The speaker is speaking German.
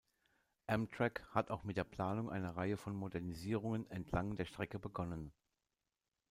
Amtrak hat auch mit der Planung einer Reihe von Modernisierungen entlang der Strecke begonnen.